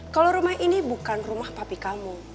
kalau rumah ini bukan rumah papi kamu